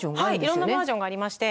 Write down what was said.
いろんなバーションがありまして